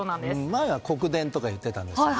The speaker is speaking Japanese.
前は国電とかいっていたんです。